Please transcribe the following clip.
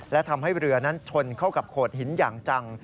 และทำให้เรือนั้นชนเข้ากับโขดหินอย่างจัง